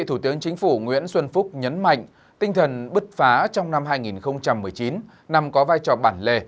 thủ tướng chính phủ nguyễn xuân phúc nhấn mạnh tinh thần bứt phá trong năm hai nghìn một mươi chín nằm có vai trò bản lề